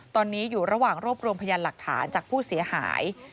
ตอนนี้อยู่ระหว่างรวบรวมพยานหลักฐานจากผู้เสียหาย